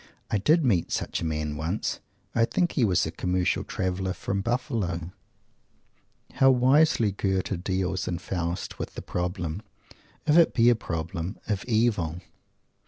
I did meet such a man once. I think he was a Commercial Traveller from Buffalo. How wisely Goethe deals in Faust with the problem if it be a problem of Evil!